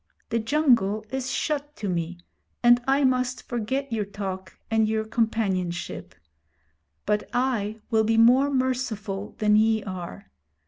The jungle is shut to me, and I must forget your talk and your companionship; but I will be more merciful than ye are.